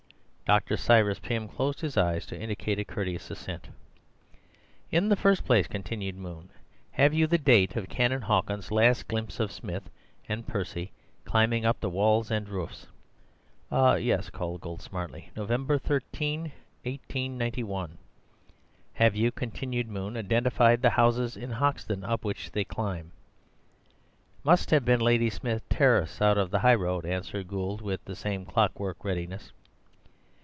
Dr. Cyrus Pym closed his eyes to indicate a courteous assent. "In the first place," continued Moon, "have you the date of Canon Hawkins's last glimpse of Smith and Percy climbing up the walls and roofs?" "Ho, yus!" called out Gould smartly. "November thirteen, eighteen ninety one." "Have you," continued Moon, "identified the houses in Hoxton up which they climbed?" "Must have been Ladysmith Terrace out of the highroad," answered Gould with the same clockwork readiness.